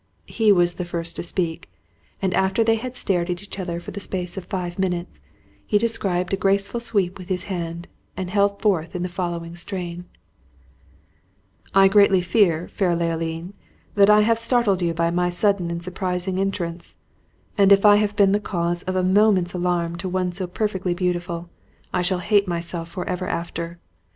He was the first to speak; and after they had stared at each other for the space of five minutes, he described a graceful sweep with his hand, and held forth in the following strain, "I greatly fear, fair Leoline, that I have startled you by my sudden and surprising entrance; and if I have been the cause of a moment's alarm to one so perfectly beautiful, I shall hate myself for ever after.